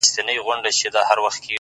هغه د سر پر زنگانه و فلسفې ته ژاړي!